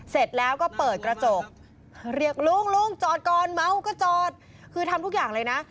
เสร็จแล้วก็เปิดกระจกเรียกลุงลุงจอดก่อนเมาก็จอดคือทำทุกอย่างเลยนะ